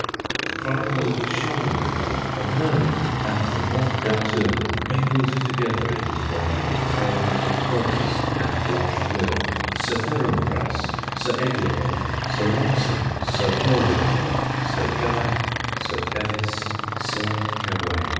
The chronicles of Charlemagne, Of Merlin and the Mort d'Arthure, Mingled together in his brain With tales of Flores and Blanchefleur, Sir Ferumbras, Sir Eglamour, Sir Launcelot, Sir Morgadour, Sir Guy, Sir Bevis, Sir Gawain.